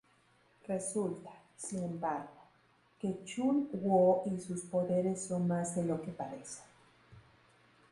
Resulta, sin embargo, que Chun-Woo y sus poderes son más de lo que parece.